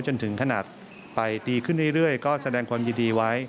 จนถึงขนาดไปดีขึ้นเรื่อยก็แสดงความยินดีไว้